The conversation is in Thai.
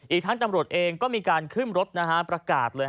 อีกทั้งตำรวจเองก็มีการขึ้นรถนะฮะประกาศเลย